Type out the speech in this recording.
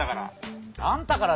あんたから。